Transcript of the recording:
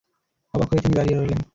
অবাক হয়ে তিনি দাঁড়িয়ে রইলেন।